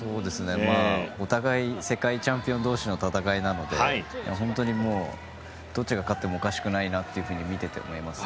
お互い世界チャンピオン同士の戦いなので本当にどっちが勝ってもおかしくないなと見ていて思います。